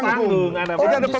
karena ada panggung ada panggung